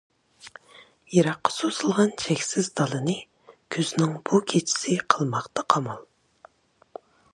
يىراققا سوزۇلغان چەكسىز دالىنى، كۈزنىڭ بۇ كېچىسى قىلماقتا قامال.